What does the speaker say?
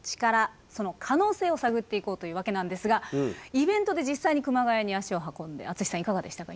その可能性を探っていこうというわけなんですがイベントで実際に熊谷に足を運んで淳さんいかがでしたか？